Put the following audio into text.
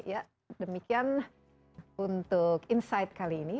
ya demikian untuk insight kali ini